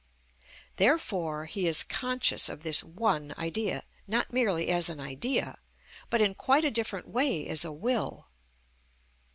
Therefore he is conscious of this one idea, not merely as an idea, but in quite a different way as a will.